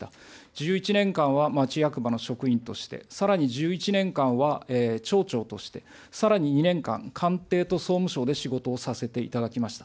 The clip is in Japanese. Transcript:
１１年間は町役場の職員として、さらに１１年間は町長として、さらに２年間、官邸と総務省で仕事をさせていただきました。